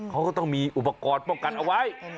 เขาก็ต้องมีอุปกรณ์ป้องกันเอาไว้